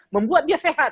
membuat dia sehat